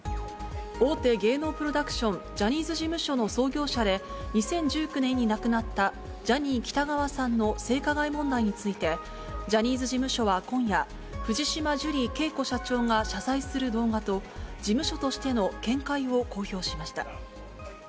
大手芸能プロダクション、ジャニーズ事務所の創業者で、２０１９年に亡くなったジャニー喜多川さんの性加害問題について、ジャニーズ事務所は今夜、藤島ジュリー景子社長が謝罪する動画と、事務所としての見解を公表しました。